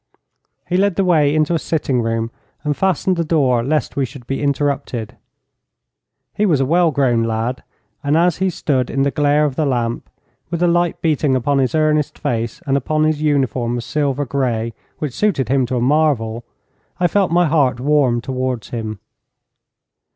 He led the way into a sitting room, and fastened the door lest we should be interrupted. He was a well grown lad, and as he stood in the glare of the lamp, with the light beating upon his earnest face and upon his uniform of silver grey, which suited him to a marvel, I felt my heart warm towards him.